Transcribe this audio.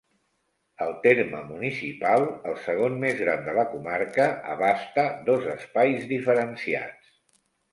El terme municipal, el segon més gran de la comarca, abasta dos espais diferenciats.